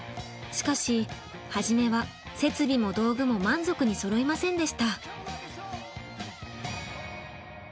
しかし初めは設備も道具も満足にそろいませんでした。